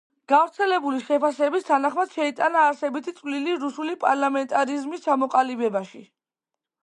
გავრცელებული შეფასებების თანახმად, შეიტანა არსებითი წვლილი რუსული პარლამენტარიზმის ჩამოყალიბებაში.